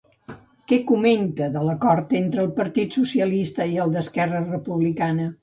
Què comenta de l'acord entre el partit socialista i el d'Esquerra Republicana?